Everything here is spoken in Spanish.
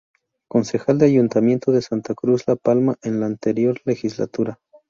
Concejal del Ayuntamiento de Santa Cruz de La Palma en la anterior Legislatura.